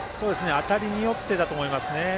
当たりによってだと思いますね。